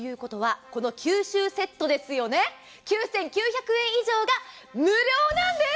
この九州セットですよね、９９００円以上が無料なんです。